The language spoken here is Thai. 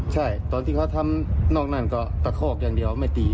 ใช่ตอนที่เขาทำนอกนั่นก็ตะคอกอย่างเดียวไม่ตี